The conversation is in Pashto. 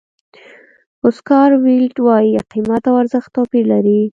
اوسکار ویلډ وایي قیمت او ارزښت توپیر لري.